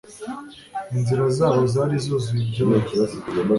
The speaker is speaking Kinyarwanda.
Inzira zabo zari zuzuye ibyondo